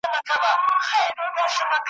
د حیرت ګوته په غاښ ورته حیران وه ,